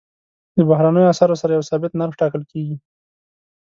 د بهرنیو اسعارو سره یو ثابت نرخ ټاکل کېږي.